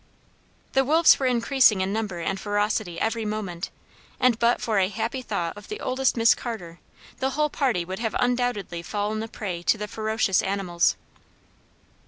The wolves were increasing in number and ferocity every moment, and but for a happy thought of the oldest Miss Carter, the whole party would have undoubtedly fallen a prey to the ferocious animals.